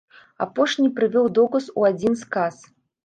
Апошні прывёў доказ у адзін сказ.